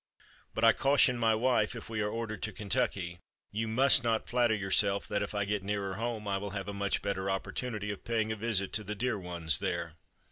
But I caution my wife if we are ordered to Kentucky: "You must not flatter yourself that, if I get nearer home, I will have a much better opportunity of paying a visit to the dear ones there."